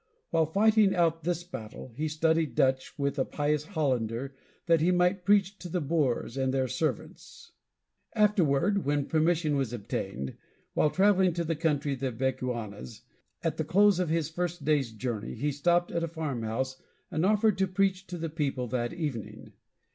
While fighting out this battle, he studied Dutch with a pious Hollander, that he might preach to the Boers and their servants. Afterward, when permission was obtained, while traveling to the country of the Bechuanas, at the close of his first day's journey he stopped at a farmhouse and offered to preach to the people that evening.